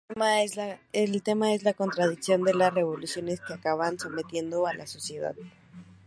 El tema es la contradicción de las revoluciones que acaban sometiendo a la sociedad.